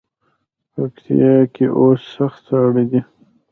پکتیا کې اوس سخت ساړه دی.